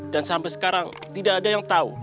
dan sampai sekarang tidak ada yang tahu